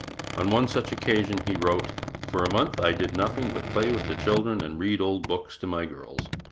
Of one such occasion he wrote: 'For a month I did nothing but play with the children and read old books to my girls.